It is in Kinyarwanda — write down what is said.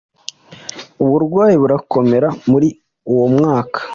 uburwayi burakomera. Muri uwo mwaka